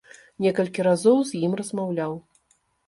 Некалькі разоў з ім размаўляў.